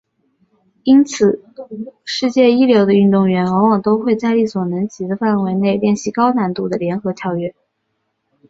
因此世界一流的运动员往往都会在力所能及的范围内练习高难度的联合跳跃。